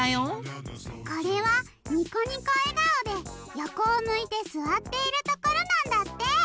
これはにこにこえがおでよこをむいてすわっているところなんだって。